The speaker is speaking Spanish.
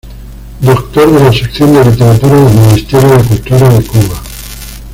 Doctor de la Sección de Literatura del Ministerio de Cultura de Cuba.